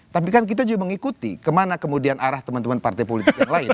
tapi kan kita juga mengikuti kemana kemudian arah teman teman partai politik yang lain